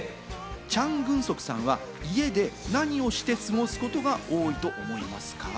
チャン・グンソクさんは家で何をして過ごすことが多いと思いますか？